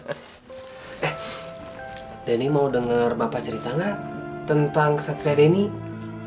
eh denny mau denger bapak ceritanya tentang kesatria denny